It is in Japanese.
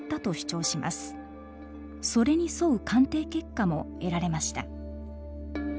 それに沿う鑑定結果も得られました。